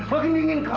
makin dingin kan